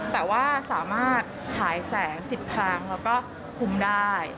แต่ว่าสามารถฉายแสง๑๐ครั้งแล้วก็คุมได้